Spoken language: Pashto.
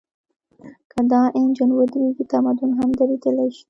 که دا انجن ودرېږي، تمدن هم درېدلی شي.